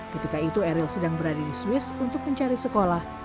ketika itu eril sedang berada di swiss untuk mencari sekolah